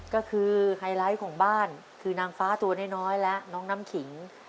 ก็คือไฮไลท์ของบ้านคือนางฟ้าตัวน้อยและน้องน้ำขิง